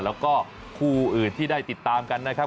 แล้วก็คู่อื่นที่ได้ติดตามกันนะครับ